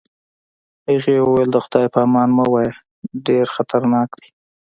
هغې وویل: د خدای په امان مه وایه، چې ډېر خطرناک دی.